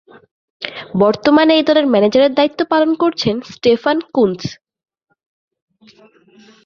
বর্তমানে এই দলের ম্যানেজারের দায়িত্ব পালন করছেন স্টেফান কুনৎস।